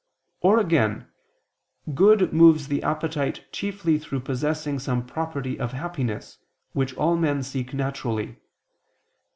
Or again, good moves the appetite chiefly through possessing some property of happiness, which all men seek naturally.